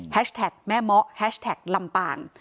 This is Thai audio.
แท็กแม่เมาะแฮชแท็กลำปาง